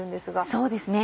そうですね